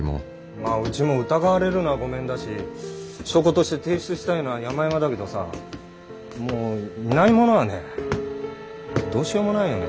まあうちも疑われるのはごめんだし証拠として提出したいのはやまやまだけどさもういないものはねどうしようもないよね。